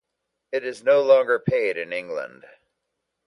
It is no longer paid in England.